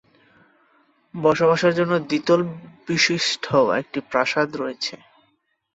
বসবাসের জন্য দ্বিতল বিশিষ্ট্য একটি প্রাসাদ রয়েছে।